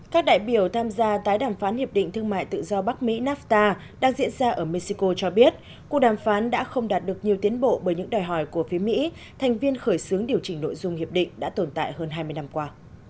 các đại biểu tham gia tái đàm phán hiệp định thương mại tự do bắc mỹ nafta đang diễn ra ở mexico cho biết cuộc đàm phán đã không đạt được nhiều tiến bộ bởi những đòi hỏi của phía mỹ thành viên khởi xướng điều chỉnh nội dung hiệp định đã tồn tại hơn hai mươi năm qua